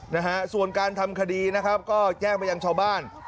นะฮะส่วนการทำคดีนะครับก็แจ้งไปยังชาวบ้าน